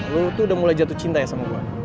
lo tuh udah mulai jatuh cinta ya sama gue